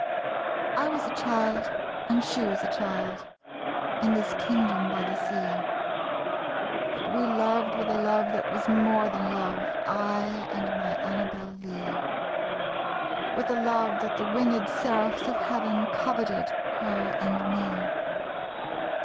I was a child, and she was a child, In this kingdom by the sea, But we loved with a love that was more than love, I and my Annabel Lee; With a love that the winged seraphs of heaven Coveted her and me.